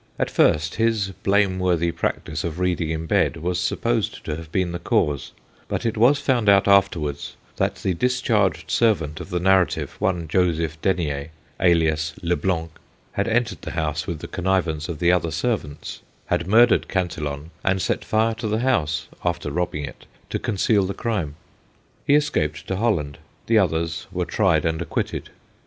At first his blameworthy practice of reading in bed was supposed to have been the cause, but it was found out afterwards that the discharged servant of the narrative, one Joseph Denier, alias Le Blanc, had entered the house with the connivance of the other servants, had murdered Cantillon, and set fire to the house, after robbing it, to conceal the crime. He escaped to Holland : the others were tried and acquitted.